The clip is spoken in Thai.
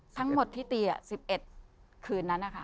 ทั้งหมดเหตุที่ตีอะ๑๑คืนนั้น